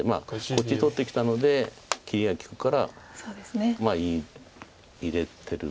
こっち取ってきたので切りが利くからまあ入れてる。